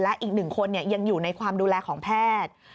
และอีก๑คนยังอยู่ในความดูแลของแพทย์